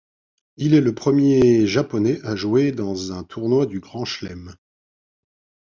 Il est le premier Japonais à jouer dans un tournoi du Grand Chelem.